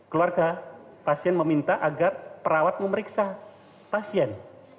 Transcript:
keluarga pasien meminta agar perawat memeriksa pasien